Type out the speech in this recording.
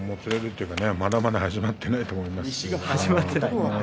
まだまだ始まっていないと思います。